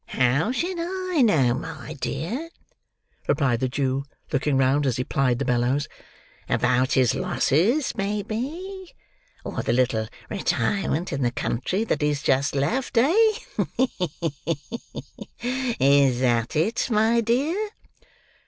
"How should I know, my dear?" replied the Jew, looking round as he plied the bellows. "About his losses, maybe; or the little retirement in the country that he's just left, eh? Ha! ha! Is that it, my dear?"